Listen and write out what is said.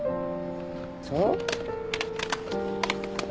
そう？